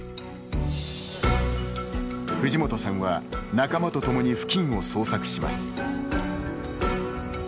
藤本さんは仲間とともに付近を捜索します。